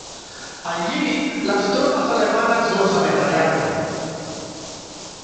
Allí, las tropas alemanas los ametrallaron.